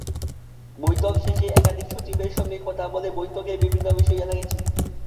বৈঠক শেষে একাধিক সচিবের সঙ্গে কথা বলে বৈঠকের বিভিন্ন বিষয়ে জানা গেছে।